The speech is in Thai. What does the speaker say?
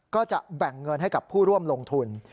ก็จะแบ่งเงินให้กับผู้ร่วมลงทุน